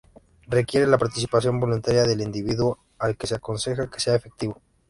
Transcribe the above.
Requiere la participación voluntaria del individuo al que se aconseja que sea efectivo.